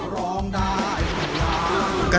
ร้องได้ให้ล้าน